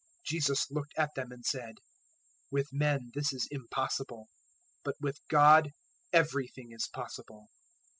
019:026 Jesus looked at them and said, "With men this is impossible, but with God everything is possible."